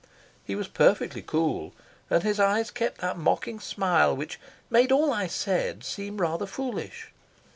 He was perfectly cool, and his eyes kept that mocking smile which made all I said seem rather foolish.